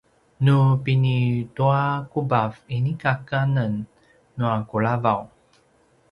nu pinituakubav inika kanen nua kulavav